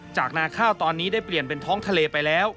นาข้าวตอนนี้ได้เปลี่ยนเป็นท้องทะเลไปแล้ว